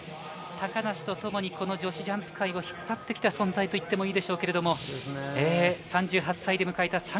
高梨とともに、女子ジャンプ界を引っ張ってきた存在ともいっていいですが３８歳で迎えた